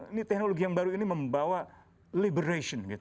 ini teknologi yang baru ini membawa liberation